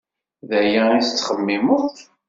D aya ay tettxemmimeḍ.